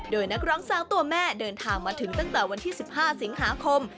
โดยนักร้องสาวตัวแม่เดินทางมาถึงตั้งแต่วันที่๑๕สิงหาคม